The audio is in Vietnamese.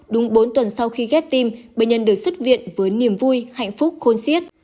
đúng bốn tuần sau khi ghép tim bệnh nhân được xuất viện với niềm vui hạnh phúc khôn siết